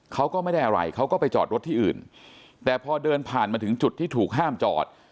เขาก็ไม่ได้อะไรเขาก็ไปจอดรถที่อื่นแต่พอเดินผ่านมาถึงจุดที่ถูกห้ามจอด